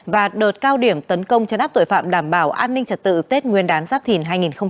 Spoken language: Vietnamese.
và đợt cao điểm tấn công chấn áp tội phạm đảm bảo an ninh trật tự tết nguyên đán giáp thìn hai nghìn hai mươi bốn